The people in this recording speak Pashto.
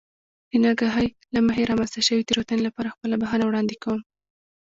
د نااګاهۍ له مخې رامنځته شوې تېروتنې لپاره خپله بښنه وړاندې کوم.